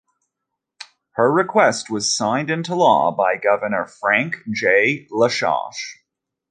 Her request was signed into law by Governor Frank J. Lausche.